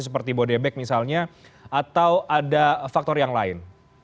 seperti bodebek misalnya atau ada faktor yang lain